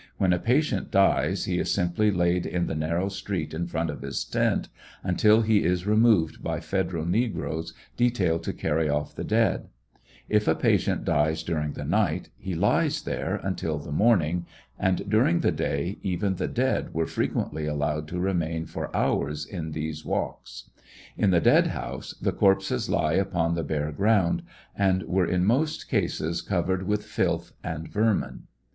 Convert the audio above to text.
When a patient dies, he is simply laid in the narrow street in front of his tent, until he is removed by Federal negroes detailed to carry off the dead; if a patient dies during the night, he lies there until the morning, and during the day even the dead were frequently allowed to remain for hours in these walks. In the dead house the corpses lie upon the bare ground, and were in most cases covered with filth and vermin.